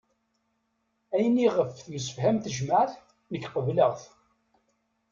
Ayen i ɣef temsefham tejmaɛt nekk qebleɣ-t